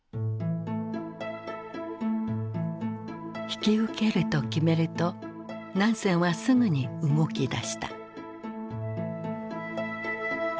引き受けると決めるとナンセンはすぐに動きだした。